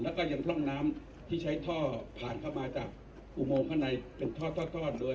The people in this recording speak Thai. แล้วก็ยังพร่องน้ำที่ใช้ท่อผ่านเข้ามาจากอุโมงข้างในเป็นท่อโดย